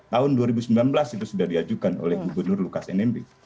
tahun dua ribu sembilan belas itu sudah diajukan oleh gubernur lukas nmb